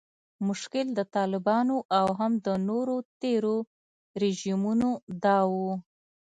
مشکل د طالبانو او هم د نورو تیرو رژیمونو دا و